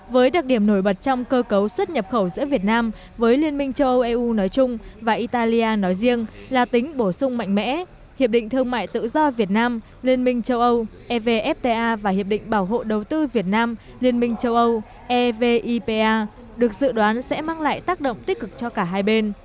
với đặc điểm nổi bật trong cơ cấu xuất nhập khẩu giữa việt nam với liên minh châu âu eu nói chung và italia nói riêng là tính bổ sung mạnh mẽ hiệp định thương mại tự do việt nam liên minh châu âu evfta và hiệp định bảo hộ đầu tư việt nam liên minh châu âu evipa được dự đoán sẽ mang lại tác động tích cực cho cả hai bên